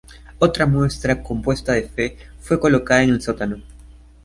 Otra muestra compuesta de Fe fue colocada en el sótano.